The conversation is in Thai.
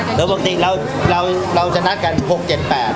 เช้าที่เริ่มงานกันแล้วปกติเราเราจะนัดกันหกเจ็ดแปด